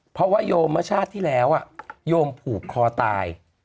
เพราะว่าโยมเมื่อชาติที่แล้วโยมผูกคอตาย